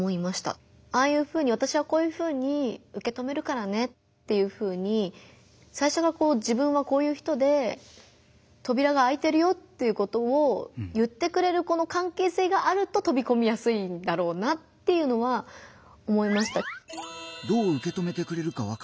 ああいうふうに「わたしはこういうふうに受け止めるからね」っていうふうにさいしょから自分はこういう人でとびらがあいてるよっていうことを言ってくれるこの関係性があるととびこみやすいんだろうなっていうのは思いました。